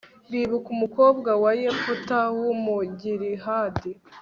bibuka umukobwa wa yefute w'umugilihadi